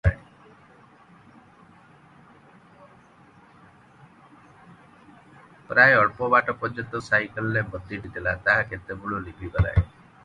ପ୍ରାୟ ଅଳ୍ପ ବାଟ ପର୍ଯ୍ୟନ୍ତ ସାଇକେଲର ବତୀଟି ଥିଲା, ତାହା କେତେବେଳୁ ଲିଭିଗଲାଣି ।